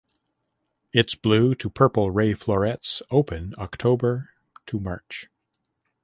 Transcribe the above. Its blue to purple ray florets open October–March.